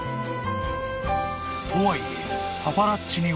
［とはいえ］